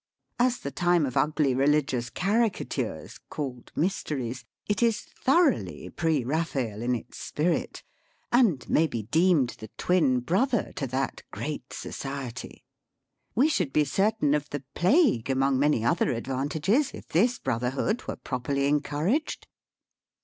As the time of ugly religious caricatures (called mysteries), it is thoroughly Pre Eaphael in its spirit ; and may be deemed the twin brother to that great society. We should be certain of the Plague among many other advantages, if this Brother hood were properly encouraged.